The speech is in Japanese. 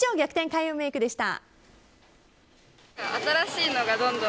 開運メイクでした。